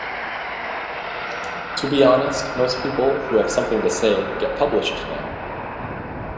To be honest, most people who have something to say get published now.